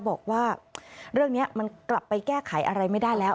บอกว่าเรื่องนี้มันกลับไปแก้ไขอะไรไม่ได้แล้ว